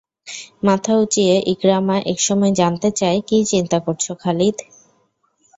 মাথা উঁচিয়ে ইকরামা এক সময় জানতে চায় কি চিন্তা করছ খালিদ?